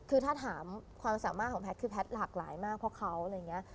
คือถ้าถามความสามารถของแพทย์คือแพทย์หลากหลายมากเพราะเขาอะไรอย่างนี้